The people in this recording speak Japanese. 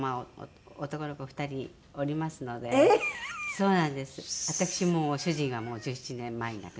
そうなんです。